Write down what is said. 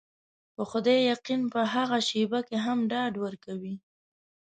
په خدای يقين په هغه شېبه کې هم ډاډ ورکوي.